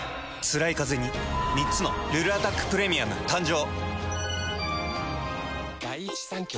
つらいカゼに３つの「ルルアタックプレミアム」誕生。